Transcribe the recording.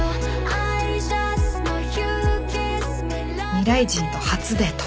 未来人と初デート。